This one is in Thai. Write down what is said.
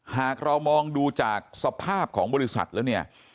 หากเรามองดูจากสภาพของบริษัทแล้วเนี่ย